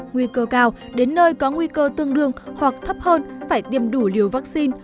nguy cơ cao đến nơi có nguy cơ tương đương hoặc thấp hơn phải tiêm đủ liều vaccine